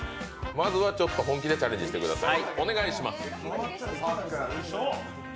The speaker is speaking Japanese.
まずは本気でチャレンジしてください。